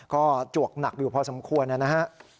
ก็จวกหนักอยู่พอสมควรนะฮะ